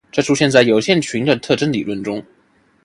这出现在有限群的特征理论中。